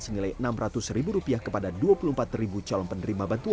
senilai rp enam ratus kepada dua puluh empat calon penerima bantuan